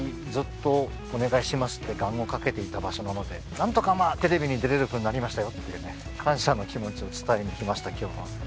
ずっと「お願いします」って願を掛けていた場所なので何とかまあテレビに出れるふうになりましたよっていうね感謝の気持ちを伝えに来ました今日は。